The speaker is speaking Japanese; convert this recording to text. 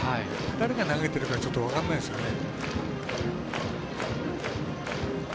誰が投げているかちょっと分からないですよね。